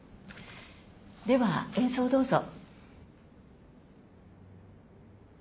では演奏をどうぞ。